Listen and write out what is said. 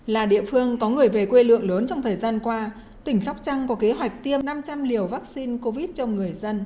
là địa phương có người về quê lượng lớn trong thời gian qua tỉnh sóc trăng có kế hoạch tiêm năm trăm linh liều vaccine covid cho người dân